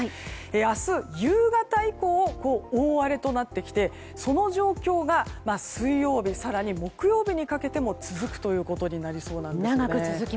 明日夕方以降大荒れとなってきてその状況が水曜日、木曜日にかけても続くということになりそうです。